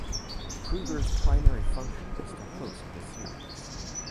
Krueger's primary function was to host the series.